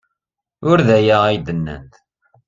Ur d aya ay d-nnant.